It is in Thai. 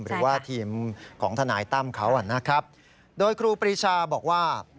หรือว่าทีมของทนายตั้มเขานะครับโดยครูปรีชาบอกว่า